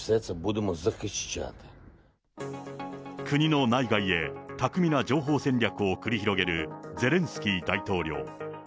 国の内外へ、巧みな情報戦略を繰り広げるゼレンスキー大統領。